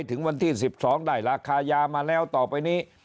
ถึงวันที่๑๒ได้ราคายามาแล้วต่อไปนี้